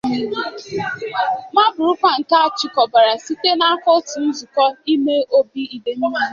ma bụrụkwa nke a chịkọbara site n'aka òtù Nzuko Ime-obi Idemili